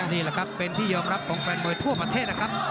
นี่แหละครับเป็นที่ยอมรับของแฟนมวยทั่วประเทศนะครับ